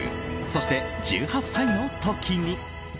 そして１８歳の時に。